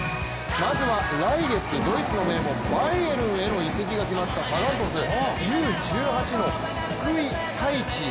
まずは来月ドイツの名門バイエルンへの移籍が決まったサガン鳥栖、Ｕ−１８の福井太智。